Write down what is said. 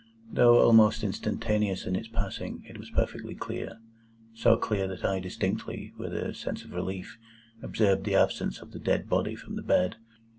Though almost instantaneous in its passing, it was perfectly clear; so clear that I distinctly, and with a sense of relief, observed the absence of the dead body from the bed.